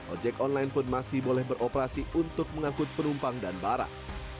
ojek online pun masih boleh beroperasi untuk mengangkut penumpang dan barang